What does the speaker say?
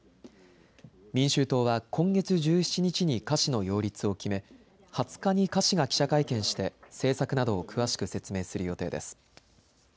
民衆党は今月１７日に柯氏の擁立を決め、２０日に柯氏が記者会見して政策などを詳しく説明する予定です。